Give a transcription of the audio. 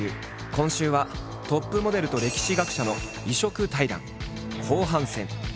今週はトップモデルと歴史学者の異色対談後半戦。